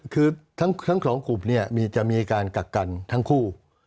คือทั้งสองกลุ่มเนี่ยจะมีการกักกันทั้งคู่